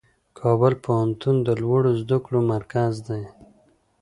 کابل پوهنتون د لوړو زده کړو مرکز دی.